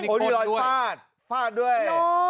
อูยนี่รอยฟาดฟาดด้วย